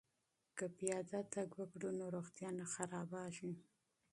که پیاده تګ وکړو نو روغتیا نه خرابیږي.